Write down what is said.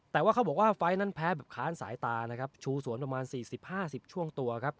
แต่ว่าเขาบอกว่าไฟล์นั้นแพ้แบบค้านสายตานะครับชูสวนประมาณ๔๐๕๐ช่วงตัวครับ